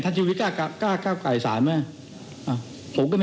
ถ้าชีวิตกล้าวไกลสารไหม